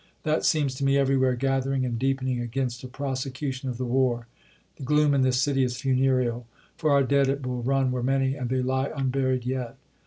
That seems to me everywhere gath ering and deepening against a prosecution of the war. The gloom in this city is funereal — for our dead at Bull Run were many, and they lie unburied yet.